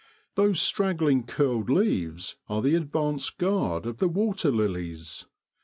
Those straggling curled leaves are the advance guard of the water lilies.